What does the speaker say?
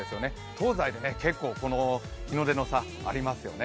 東西で日の出の差ありますよね。